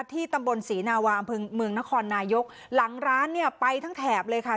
ที่ตำบลศรีนาวาอำเภอเมืองนครนายกหลังร้านเนี่ยไปทั้งแถบเลยค่ะ